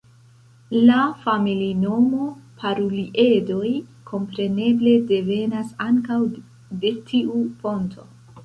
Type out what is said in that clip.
La familinomo, Paruliedoj, kompreneble devenas ankaŭ de tiu fonto.